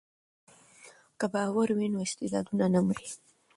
که باور وي نو استعداد نه مري.